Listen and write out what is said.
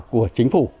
của chính phủ